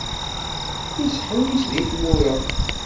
Yettḥewwis deg tmura